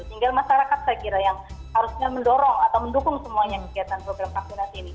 tinggal masyarakat saya kira yang harusnya mendorong atau mendukung semuanya kegiatan program vaksinasi ini